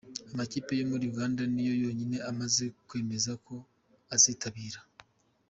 Amakipe yo muri Uganda ni yo yonyine amaze kwemeza ko azitabira.